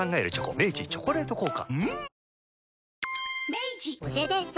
明治「チョコレート効果」